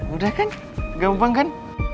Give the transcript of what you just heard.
udah kan gampang kan